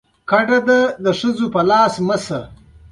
عبدالحق دا لیکونه انګرېزانو ته ورکړل.